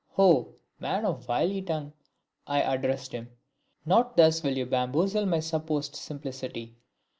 "Oh, man of wily tongue!" I addressed him. "Not thus will you bamboozle my supposed simplicity!